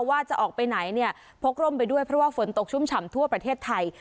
ว่าจะออกไปไหนเนี่ยพกร่มไปด้วยเพราะว่าฝนตกชุ่มฉ่ำทั่วประเทศไทย